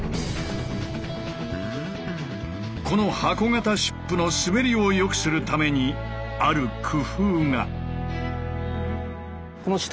この箱型シップの滑りを良くするためにある工夫が。